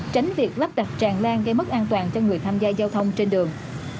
tránh việc lắp đặt tràn lan gây mất an toàn cho người tham gia giao thông trên đường